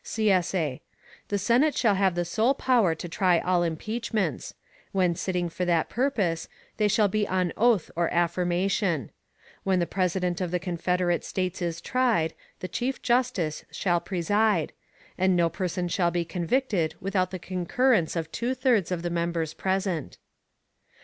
[CSA] The Senate shall have the sole power to try all impeachments. When sitting for that purpose, they shall be on oath or affirmation. When the President of the Confederate States is tried, the Chief Justice shall preside; and no person shall be convicted without the concurrence of two thirds of the members present.